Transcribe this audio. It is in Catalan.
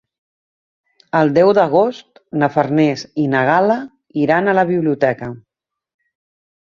El deu d'agost na Farners i na Gal·la iran a la biblioteca.